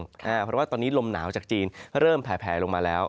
เพราะว่าตอนนี้ลมหนาวจากจีนเริ่มแผลลงมาแล้ว